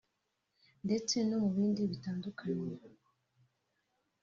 ndetse no mu bindi bitandukanye